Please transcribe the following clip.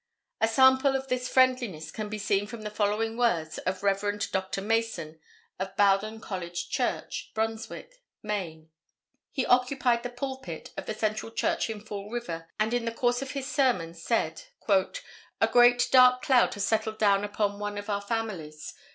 A sample of this friendliness can be seen from the following words of Rev. Dr. Mason of Bowden College Church, Brunswick, Me. He occupied the pulpit of the Central Church in Fall River and in the course of his sermon said "A great, dark cloud has settled down upon one of our families.